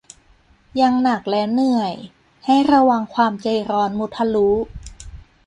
ยังหนักและเหนื่อย ให้ระวังความใจร้อนมุทะลุ